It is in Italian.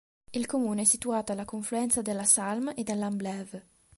Il comune è situato alla confluenza della Salm e dell'Amblève.